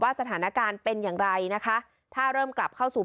สถานการณ์เป็นอย่างไรนะคะถ้าเริ่มกลับเข้าสู่